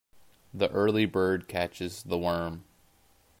The early bird catches the worm.